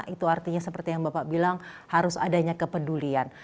itu artinya seperti yang bapak bilang harus adanya kepedulian